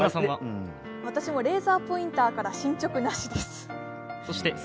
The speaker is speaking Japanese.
私もレーザーポインターから進ちょくなしです。